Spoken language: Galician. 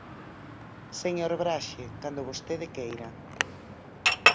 Señor Braxe, cando vostede queira.